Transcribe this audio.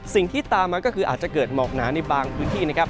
สิ่งที่ตามมาก็คืออาจจะเกิดหมอกหนาในบางพื้นที่นะครับ